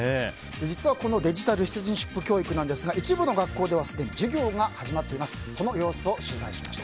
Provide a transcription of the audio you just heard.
実はこのデジタル・シティズンシップ教育ですが一部の学校ではすでに授業が始まっています。